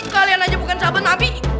kalian saja bukan sahabat nabi